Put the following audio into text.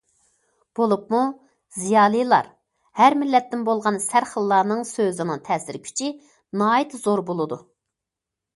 بولۇپمۇ زىيالىيلار، ھەر مىللەتتىن بولغان سەرخىللارنىڭ سۆزىنىڭ تەسىر كۈچى ناھايىتى زور بولىدۇ.